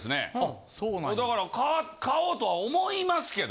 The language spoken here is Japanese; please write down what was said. だから買おうとは思いますけど。